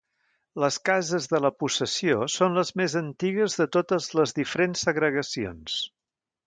Les cases de la possessió són les més antigues de totes les diferents segregacions.